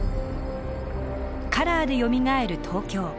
「カラーでよみがえる東京」。